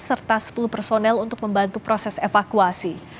serta sepuluh personel untuk membantu proses evakuasi